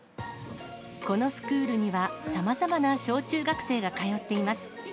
このスクールにはさまざまな小中学生が通っています。